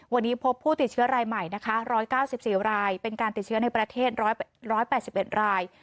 วันนี้พบผู้ติดเชื้อรายใหม่นะคะร้อยเก้าสิบสี่รายเป็นการติดเชื้อในประเทศร้อยร้อยแปดสิบเอ็ดราย